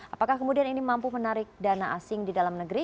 apakah kemudian ini mampu menarik dana asing di dalam negeri